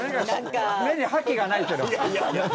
目に覇気がないけど。